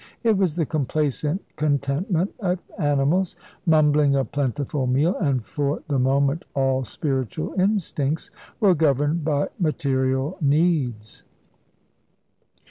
It was the complacent contentment of animals, mumbling a plentiful meal, and for the moment all spiritual instincts were governed by material needs.